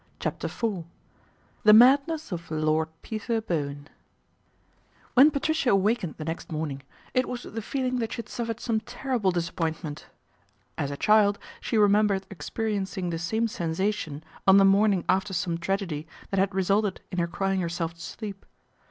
CHAPTER IV THE MADNESS OF LORD PETER BOWEN WHEN Patricia awakened the next morning, it was with the feeling that she had suffered some terrible dis appointment. As a child she remembered ex periencing the same sensation on the morning after some tragedy that had resulted in her crying herself to sleep.